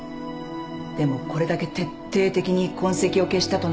でもこれだけ徹底的に痕跡を消したとなると。